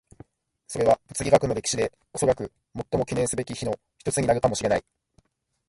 それは物理学の歴史でおそらく最も記念すべき日の一つになるかもしれない。